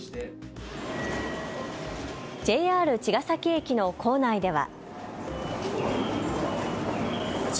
ＪＲ茅ケ崎駅の構内では。